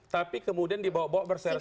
tapi kemudian dibawa bawa berseret seret